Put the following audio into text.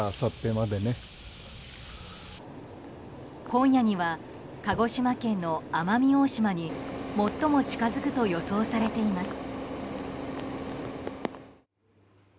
今夜には鹿児島県の奄美大島に最も近づくと予想されています。